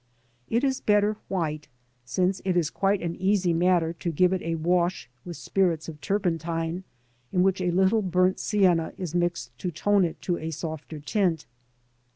It is better white, since it is quite an easy matter to give it a wash with spirits of turpentine in which a little burnt sienna is mixed to tone it to a softer tint.